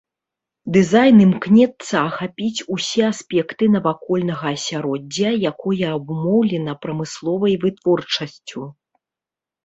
Дызайн імкнецца ахапіць усе аспекты навакольнага асяроддзя, якое абумоўлена прамысловай вытворчасцю.